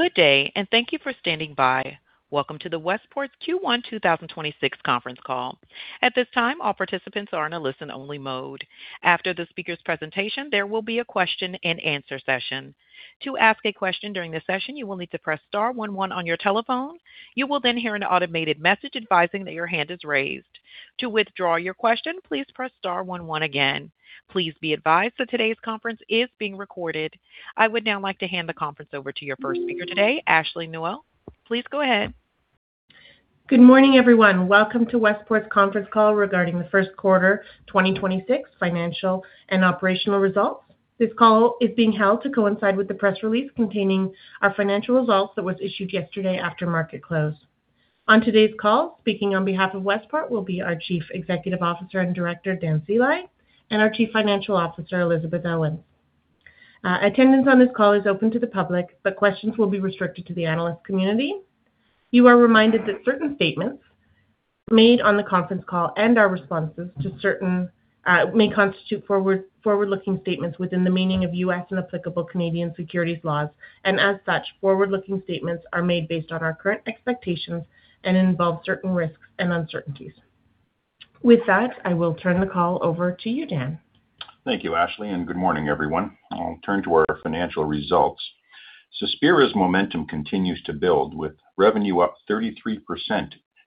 Good day, and thank you for standing by. Welcome to the Westport's Q1 2026 Conference Call. At this time, all participants are in a listen-only mode. After the speaker's presentation, there will be a question-and-answer session. To ask a question during this session, you will need to press star one one on your telephone. You will then hear an automated message advising that your hand is raised. To withdraw your question, please press star one one again. Please be advised that today's conference is being recorded. I would now like to hand the conference over to your first speaker today, Ashley Nuell. Please go ahead. Good morning, everyone. Welcome to Westport Fuel Systems' conference call regarding the first quarter 2026 financial and operational results. This call is being held to coincide with the press release containing our financial results that was issued yesterday after market close. On today's call, speaking on behalf of Westport Fuel Systems will be our Chief Executive Officer and Director, Dan Sceli, and our Chief Financial Officer, Elizabeth Owens. Attendance on this call is open to the public, but questions will be restricted to the analyst community. You are reminded that certain statements made on the conference call and our responses to certain may constitute forward-looking statements within the meaning of U.S. and applicable Canadian securities laws. As such, forward-looking statements are made based on our current expectations and involve certain risks and uncertainties. With that, I will turn the call over to you, Dan. Thank you, Ashley, and good morning, everyone. I'll turn to our financial results. Cespira's momentum continues to build, with revenue up 33%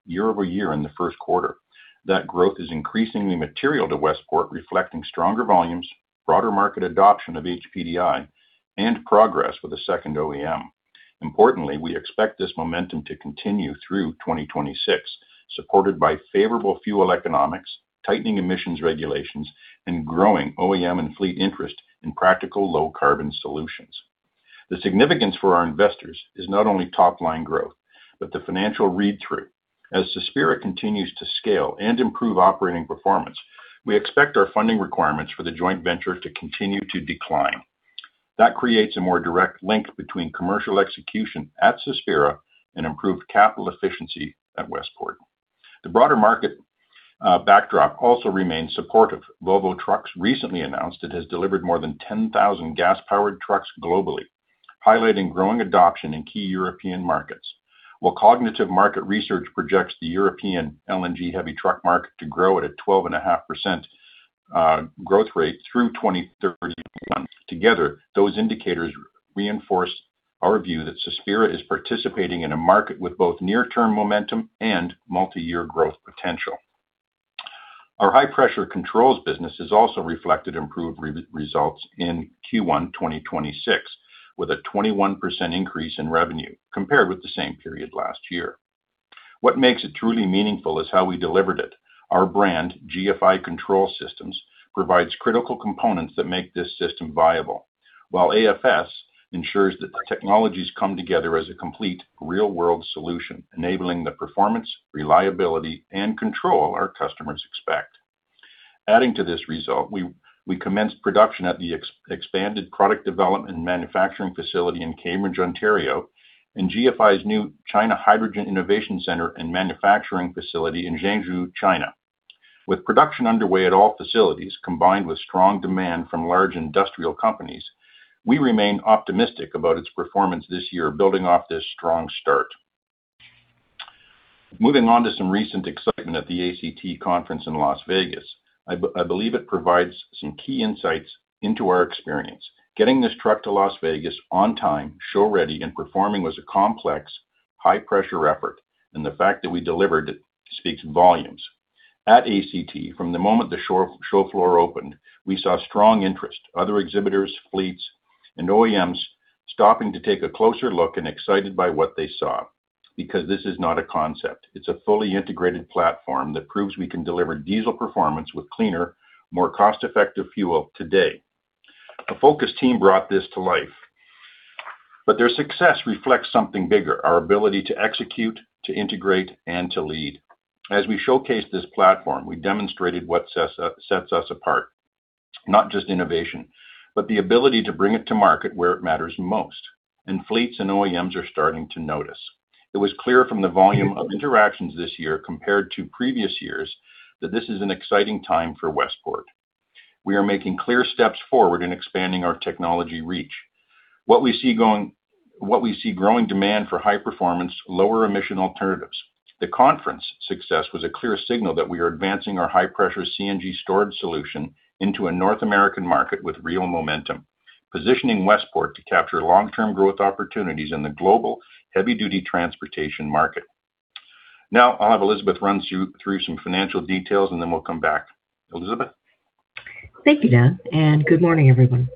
year-over-year in the first quarter. That growth is increasingly material to Westport, reflecting stronger volumes, broader market adoption of HPDI, and progress with a second OEM. Importantly, we expect this momentum to continue through 2026, supported by favorable fuel economics, tightening emissions regulations, and growing OEM and fleet interest in practical low-carbon solutions. The significance for our investors is not only top-line growth, but the financial read-through. As Cespira continues to scale and improve operating performance, we expect our funding requirements for the joint venture to continue to decline. That creates a more direct link between commercial execution at Cespira and improved capital efficiency at Westport. The broader market backdrop also remains supportive. Volvo Trucks recently announced it has delivered more than 10,000 gas-powered trucks globally, highlighting growing adoption in key European markets. Cognitive Market Research projects the European LNG heavy truck market to grow at a 12.5% growth rate through 2031. Together, those indicators reinforce our view that Cespira is participating in a market with both near-term momentum and multi-year growth potential. Our high-pressure controls business has also reflected improved results in Q1 2026, with a 21% increase in revenue compared with the same period last year. What makes it truly meaningful is how we delivered it. Our brand, GFI Control Systems, provides critical components that make this system viable. AFS ensures that the technologies come together as a complete real-world solution, enabling the performance, reliability, and control our customers expect. Adding to this result, we commenced production at the expanded product development and manufacturing facility in Cambridge, Ontario, and GFI's new China Hydrogen Innovation Center and manufacturing facility in Zhengzhou, China. With production underway at all facilities, combined with strong demand from large industrial companies, we remain optimistic about its performance this year, building off this strong start. Moving on to some recent excitement at the ACT Expo in Las Vegas, I believe it provides some key insights into our experience. Getting this truck to Las Vegas on time, show ready, and performing was a complex, high-pressure effort, and the fact that we delivered it speaks volumes. At ACT, from the moment the show floor opened, we saw strong interest. Other exhibitors, fleets, and OEMs stopping to take a closer look and excited by what they saw because this is not a concept. It's a fully integrated platform that proves we can deliver diesel performance with cleaner, more cost-effective fuel today. A focused team brought this to life, but their success reflects something bigger, our ability to execute, to integrate, and to lead. As we showcased this platform, we demonstrated what sets us apart, not just innovation, but the ability to bring it to market where it matters most, and fleets and OEMs are starting to notice. It was clear from the volume of interactions this year compared to previous years that this is an exciting time for Westport. We are making clear steps forward in expanding our technology reach. We see growing demand for high performance, lower emission alternatives. The conference success was a clear signal that we are advancing our high-pressure CNG storage solution into a North American market with real momentum, positioning Westport to capture long-term growth opportunities in the global heavy-duty transportation market. I'll have Elizabeth run through some financial details, and then we'll come back. Elizabeth. Thank you, Dan. Good morning, everyone.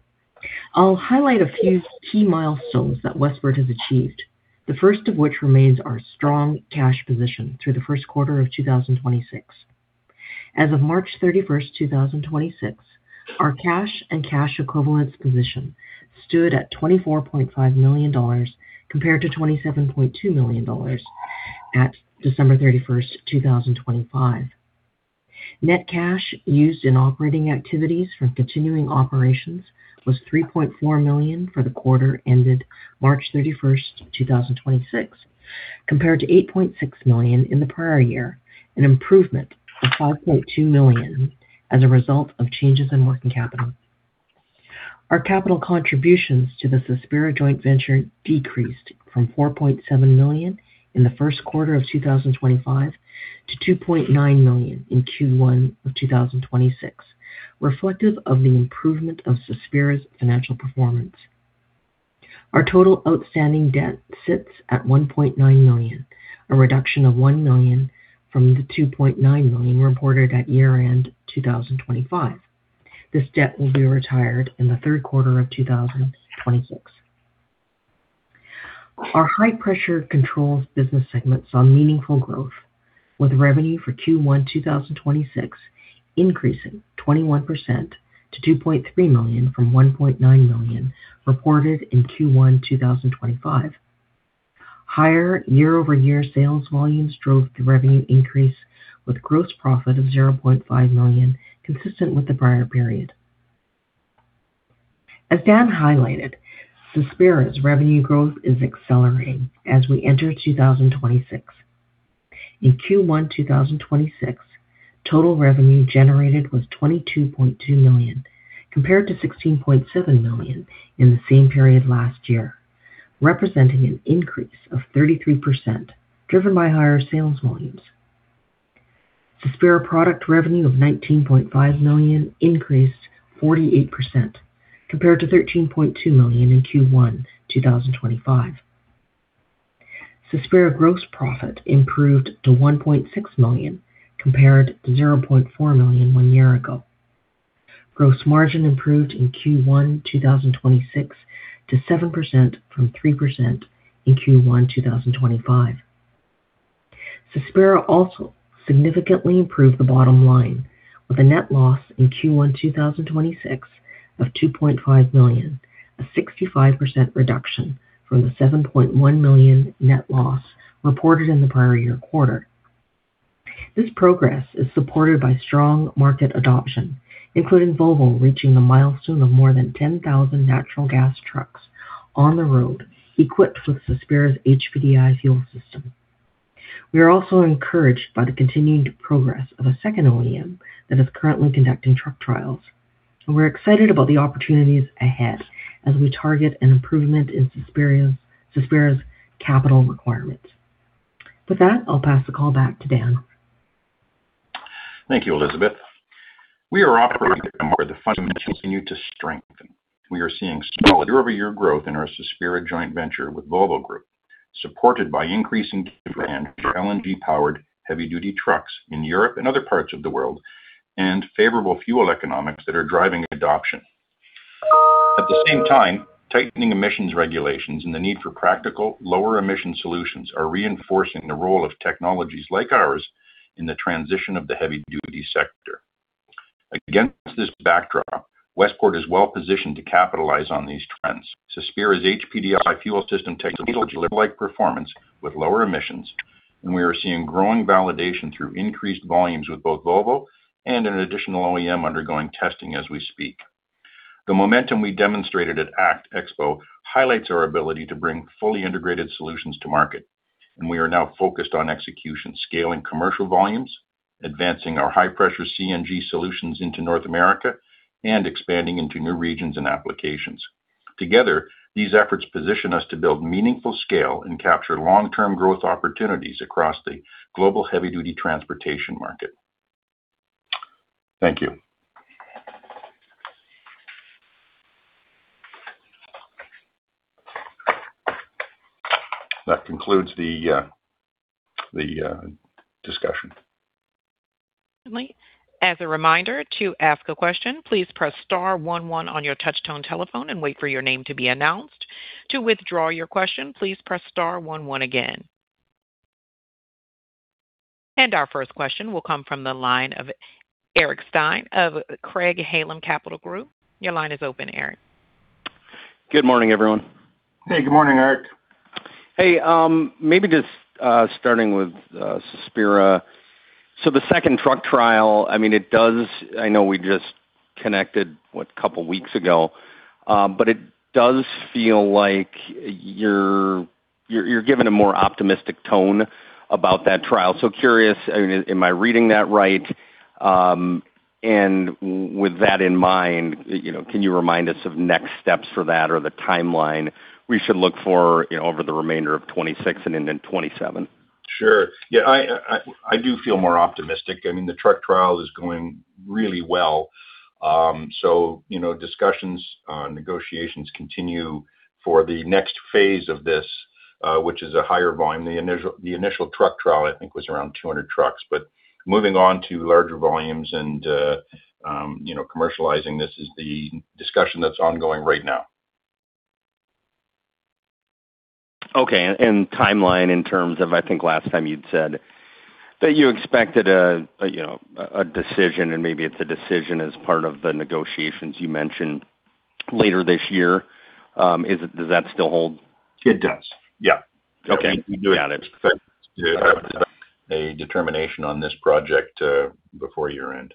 I'll highlight a few key milestones that Westport has achieved, the first of which remains our strong cash position through the first quarter of 2026. As of March 31st, 2026, our cash and cash equivalents position stood at $24.5 million compared to $27.2 million at December 31st, 2025. Net cash used in operating activities from continuing operations was $3.4 million for the quarter ended March 31st, 2026, compared to $8.6 million in the prior year, an improvement of $5.2 million as a result of changes in working capital. Our capital contributions to the Cespira joint venture decreased from $4.7 million in the first quarter of 2025 to $2.9 million in Q1 of 2026, reflective of the improvement of Cespira's financial performance. Our total outstanding debt sits at $1.9 million, a reduction of $1 million from the $2.9 million reported at year-end 2025. This debt will be retired in the third quarter of 2026. Our High Pressure Controls Business Segment saw meaningful growth, with revenue for Q1 2026 increasing 21% to $2.3 million from $1.9 million reported in Q1 2025. Higher year-over-year sales volumes drove the revenue increase with gross profit of $0.5 million, consistent with the prior period. As Dan highlighted, Cespira's revenue growth is accelerating as we enter 2026. In Q1 2026, total revenue generated was $22.2 million, compared to $16.7 million in the same period last year, representing an increase of 33%, driven by higher sales volumes. Cespira product revenue of $19.5 million increased 48% compared to $13.2 million in Q1 2025. Cespira gross profit improved to $1.6 million compared to $0.4 million one year ago. Gross margin improved in Q1 2026 to 7% from 3% in Q1 2025. Cespira also significantly improved the bottom line with a net loss in Q1 2026 of $2.5 million, a 65% reduction from the $7.1 million net loss reported in the prior year quarter. This progress is supported by strong market adoption, including Volvo reaching the milestone of more than 10,000 natural gas trucks on the road equipped with Cespira's HPDI fuel system. We are also encouraged by the continuing progress of a second OEM that is currently conducting truck trials. We're excited about the opportunities ahead as we target an improvement in Cespira's capital requirements. With that, I'll pass the call back to Dan. Thank you, Elizabeth. We are operating from where the fundamentals continue to strengthen. We are seeing solid year-over-year growth in our Cespira joint venture with Volvo Group, supported by increasing demand for LNG-powered heavy-duty trucks in Europe and other parts of the world and favorable fuel economics that are driving adoption. At the same time, tightening emissions regulations and the need for practical lower emission solutions are reinforcing the role of technologies like ours in the transition of the heavy-duty sector. Against this backdrop, Westport is well positioned to capitalize on these trends. Cespira's HPDI fuel system takes diesel delivery like performance with lower emissions, and we are seeing growing validation through increased volumes with both Volvo and an additional OEM undergoing testing as we speak. The momentum we demonstrated at ACT Expo highlights our ability to bring fully integrated solutions to market, and we are now focused on execution, scaling commercial volumes, advancing our high-pressure CNG solutions into North America, and expanding into new regions and applications. Together, these efforts position us to build meaningful scale and capture long-term growth opportunities across the global heavy-duty transportation market. Thank you. That concludes the discussion. As a reminder, to ask a question, please press star one one on your touch tone telephone and wait for your name to be announced. To withdraw your question, please press star one one again. Our first question will come from the line of Eric Stine of Craig-Hallum Capital Group. Your line is open, Eric. Good morning, everyone. Hey, good morning, Eric. Hey, maybe just starting with Cespira. The second truck trial, I mean, it does-- I know we just connected, what, a couple weeks ago, but it does feel like you're giving a more optimistic tone about that trial. Curious, I mean, am I reading that right? And with that in mind, you know, can you remind us of next steps for that or the timeline we should look for, you know, over the remainder of 2026 and then in 2027? Sure. Yeah, I do feel more optimistic. I mean, the truck trial is going really well. You know, discussions, negotiations continue for the next phase of this, which is a higher volume. The initial truck trial, I think, was around 200 trucks. Moving on to larger volumes and, you know, commercializing this is the discussion that's ongoing right now. Okay. Timeline in terms of, I think last time you'd said that you expected a, you know, a decision and maybe it's a decision as part of the negotiations you mentioned later this year. Does that still hold? It does. Yeah. Okay. Got it. A determination on this project before year-end.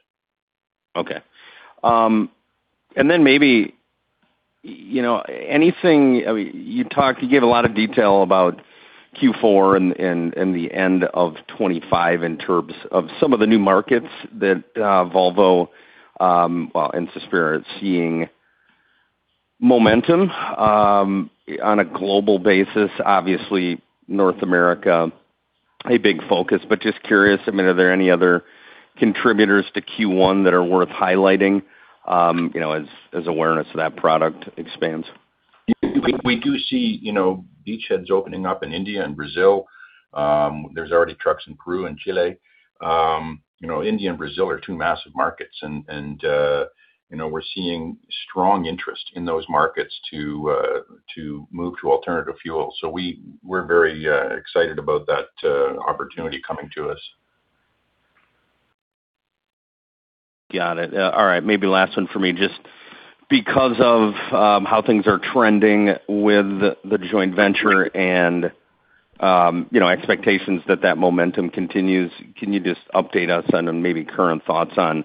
Okay. Maybe, you know, I mean, you gave a lot of detail about Q4 and the end of 2025 in terms of some of the new markets that Volvo, well, and Cespira is seeing momentum on a global basis, obviously North America a big focus. Just curious, I mean, are there any other contributors to Q1 that are worth highlighting, you know, as awareness of that product expands? We do see, you know, beachheads opening up in India and Brazil. There's already trucks in Peru and Chile. You know, India and Brazil are two massive markets and, you know, we're seeing strong interest in those markets to move to alternative fuel. We're very excited about that opportunity coming to us. Got it. All right, maybe last one for me. Just because of how things are trending with the joint venture and, you know, expectations that that momentum continues, can you just update us on, maybe current thoughts on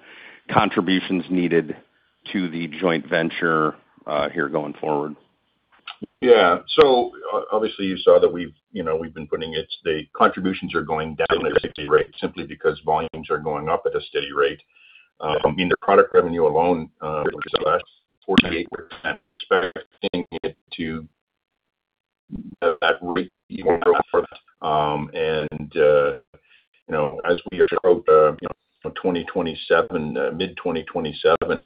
contributions needed to the joint venture, here going forward? Yeah. Obviously, you saw that we've, you know, the contributions are going down at a steady rate simply because volumes are going up at a steady rate. I mean, the product revenue alone, over the last 48, we're expecting it to have that rate even grow further. You know, as we approach, you know, 2027, mid-2027,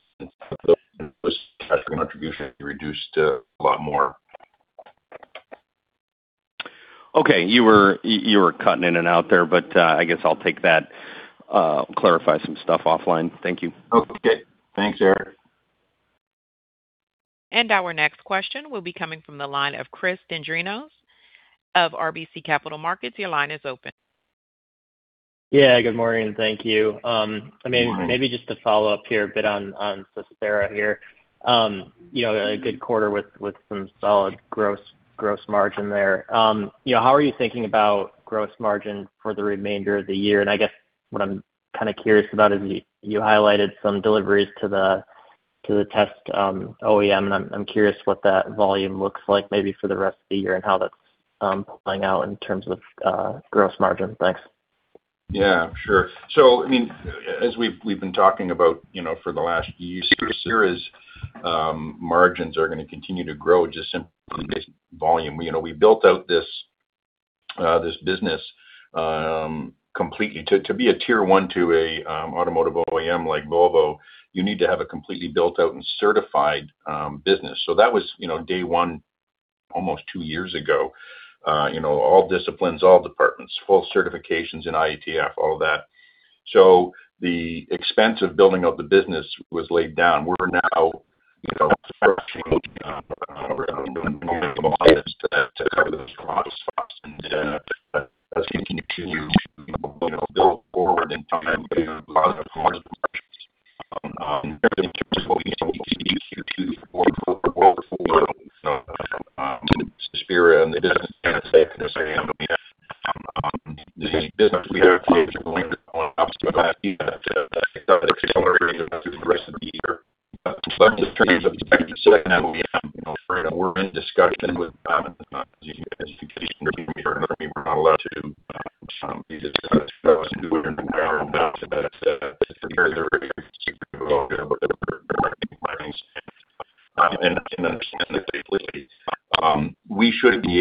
those cash contributions will be reduced a lot more. Okay. You were cutting in and out there, but I guess I'll take that. Clarify some stuff offline. Thank you. Okay. Thanks, Eric. Our next question will be coming from the line of Chris Dendrinos of RBC Capital Markets. Yeah, good morning. Thank you. Good morning. Maybe just to follow up here a bit on Cespira here. You know, a good quarter with some solid gross margin there. You know, how are you thinking about gross margin for the remainder of the year? I guess what I'm kind of curious about is you highlighted some deliveries to the test OEM, and I'm curious what that volume looks like maybe for the rest of the year and how that's playing out in terms of gross margin. Thanks. Yeah, sure. I mean, as we've been talking about, you know, for the last year, Cespira's margins are gonna continue to grow just simply based on volume. You know, we built out this business completely. To be a Tier 1 to a automotive OEM like Volvo, you need to have a completely built out and certified business. That was, you know, day one almost two years ago. You know, all disciplines, all departments, full certifications in IATF, all that. The expense of building out the business was laid down. We're now, you know, structuring volume to cover those product costs. As we continue to, you know, build forward and find positive margin impressions, everything we spoke to Q2, quarter four, Cespira and the business is safe. I mean, the business we have plans to grow in the upcoming year to accelerate it through the rest of the year. In terms of the second OEM, you know, Fred, we're in discussion with them. As you can see from here, I mean, we're not allowed to discuss who or when or how, but Cespira is very excited to go after marketing plans and understand their capabilities. We should be able to kind of speak to that in the back half of the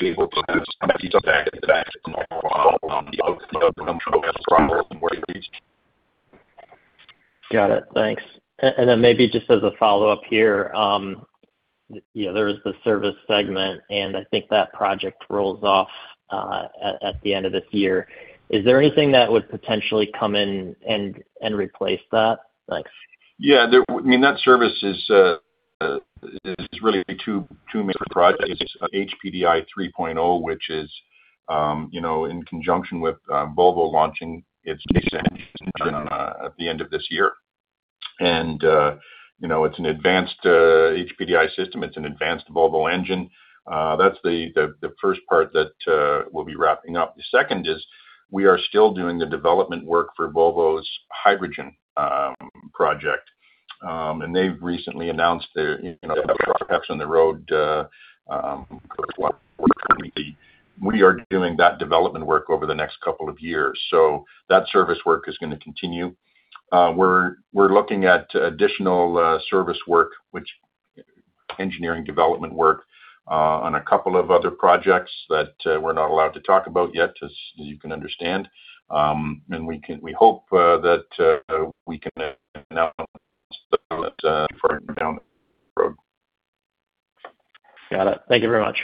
year as the program progresses more. Got it. Thanks. Maybe just as a follow-up here, you know, there was the service segment, and I think that project rolls off at the end of this year. Is there anything that would potentially come in and replace that? Thanks. I mean, that service is really two major projects. HPDI 3.0, which is, you know, in conjunction with Volvo launching its case engine at the end of this year. You know, it's an advanced HPDI system. It's an advanced Volvo engine. That's the first part that we'll be wrapping up. The second is we are still doing the development work for Volvo's hydrogen project. They've recently announced their, you know, perhaps on the road, we are doing that development work over the next couple of years. That service work is gonna continue. We're looking at additional service work, which engineering development work, on a couple of other projects that we're not allowed to talk about yet, as you can understand. We hope that we can announce them further down the road. Got it. Thank you very much.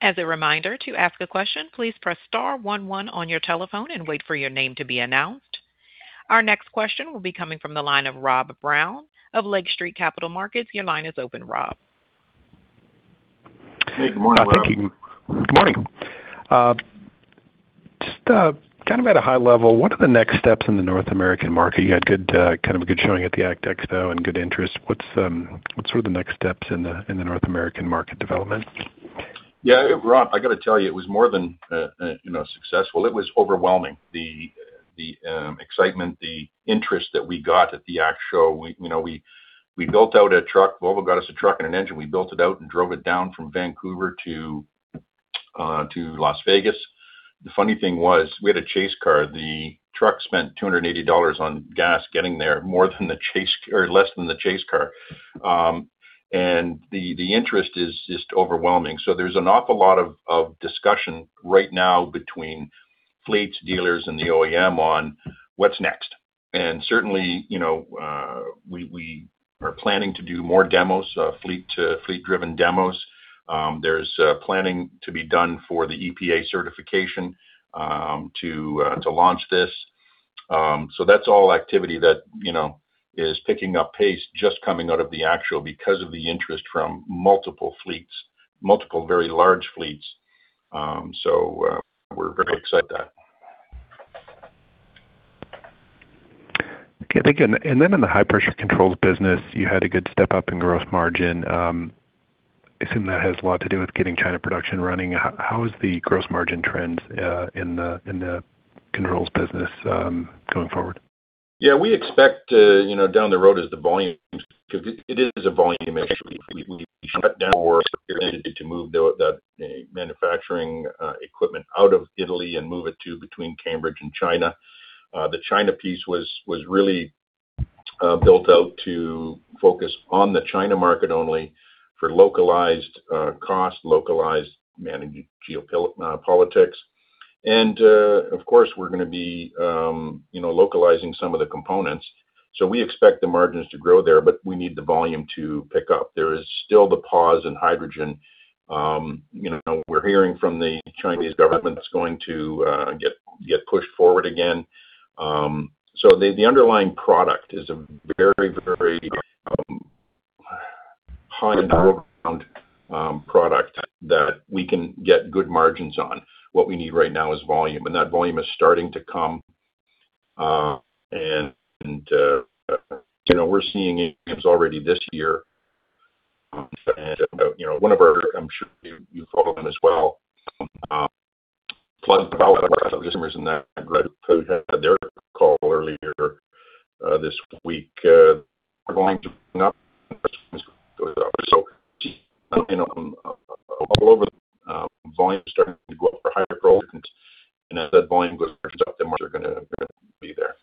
As a reminder, to ask a question, please press star one one on your telephone and wait for your name to be announced. Our next question will be coming from the line of Rob Brown of Lake Street Capital Markets. Your line is open, Rob. Hey, good morning, Rob. Thank you. Good morning. Just kind of at a high level, what are the next steps in the North American market? You had good, kind of a good showing at the ACT Expo and good interest. What's sort of the next steps in the North American market development? Yeah, Rob Brown, I gotta tell you, it was more than, you know, successful. It was overwhelming. The excitement, the interest that we got at the ACT Expo. We, you know, we built out a truck. Volvo got us a truck and an engine. We built it out and drove it down from Vancouver to Las Vegas. The funny thing was we had a chase car. The truck spent $280 on gas getting there, less than the chase car. And the interest is just overwhelming. There's an awful lot of discussion right now between fleets, dealers, and the OEM on what's next. Certainly, you know, we are planning to do more demos, fleet to fleet-driven demos. There's planning to be done for the EPA certification to launch this. That's all activity that, you know, is picking up pace just coming out of the ACT Expo because of the interest from multiple fleets, multiple very large fleets. We're very excited about that. Okay. Thank you. In the high pressure controls business, you had a good step-up in gross margin. I assume that has a lot to do with getting China production running. How is the gross margin trends in the controls business going forward? Yeah, we expect to, you know, down the road as the volume, because it is a volume issue. We shut down to move the manufacturing equipment out of Italy and move it to between Cambridge and China. The China piece was really built out to focus on the China market only for localized cost, localized manage politics. Of course, we're gonna be, you know, localizing some of the components. We expect the margins to grow there, but we need the volume to pick up. There is still the pause in hydrogen, you know, we're hearing from the Chinese government that's going to get pushed forward again. The underlying product is a very high product that we can get good margins on. What we need right now is volume, and that volume is starting to come. you know, we're seeing it already this year. you know, one of our, I'm sure you follow them as well, customers in that had their call earlier this week are going to bring up. All over, volume is starting to go up for HyPro and as that volume goes up, the margins are gonna be there.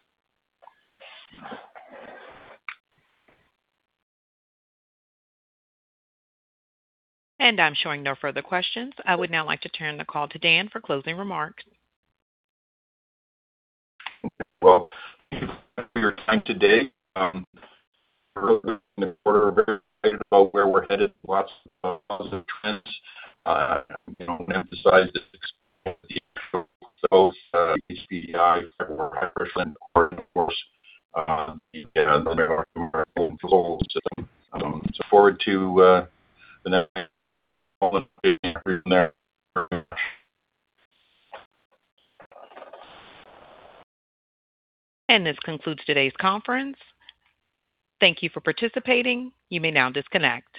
I'm showing no further questions. I would now like to turn the call to Dan for closing remarks. Well, for your time today. Earlier in the quarter, we're very excited about where we're headed. Lots of positive trends. You know, emphasize this both HPDI and of course, controls. Look forward to the next call. This concludes today's conference. Thank you for participating. You may now disconnect.